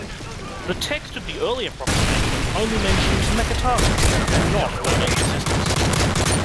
The text of the Earlier Proclamation only mentions Meketaten and not her younger sisters.